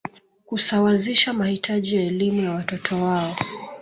Kusawazisha mahitaji ya elimu ya watoto wao